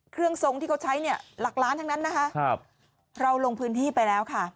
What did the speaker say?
ทรงที่เขาใช้เนี่ยหลักล้านทั้งนั้นนะคะครับเราลงพื้นที่ไปแล้วค่ะ